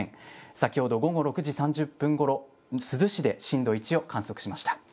先ほど午後６時３０分ごろ、珠洲市で震度１を観測しました。